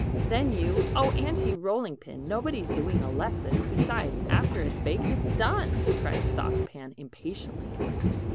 "] "Then you "Oh, Aunty Rolling Pin, nobody's doing a lesson. Besides, after it's baked it's done!" cried Sauce Pan impatiently.